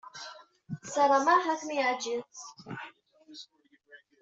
Ssarameɣ ad kem-yeɛjeb.